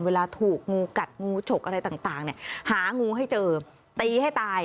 เวลาถูกงูกัดงูฉกอะไรต่างเนี่ยหางูให้เจอตีให้ตาย